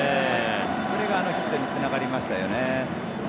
それがあのヒットにつながりましたよね。